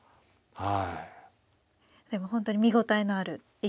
はい。